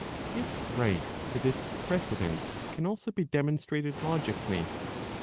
Its right to this precedence can also be demonstrated logically.